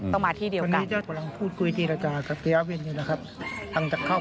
มาที่เดียวกัน